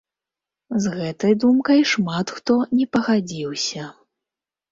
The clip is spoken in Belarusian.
З гэтай думкай шмат хто не пагадзіўся.